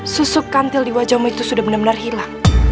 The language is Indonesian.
susuk kantel di wajahmu itu sudah benar benar hilang